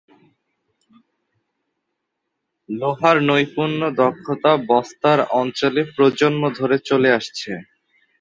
লোহার নৈপুণ্য দক্ষতা বস্তার অঞ্চলে প্রজন্ম ধরে চলে আসছে।